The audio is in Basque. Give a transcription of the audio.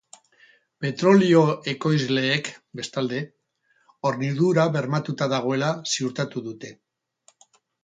Petrolio ekoizleek, bestalde, hornidura bermatuta dagoela ziurtatu dute.